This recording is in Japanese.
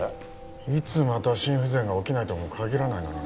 いつまた心不全が起きないとも限らないのにな